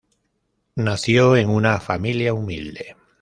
Nació en una familia humilde.